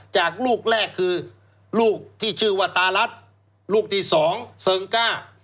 จากลูกแรกคือลูกที่ชื่อว่าตารัฐลูกที่๒เซิงก้า